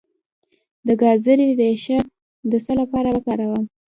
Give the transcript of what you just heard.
د ګازرې ریښه د څه لپاره وکاروم؟